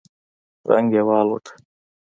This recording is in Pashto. رنگ يې والوت.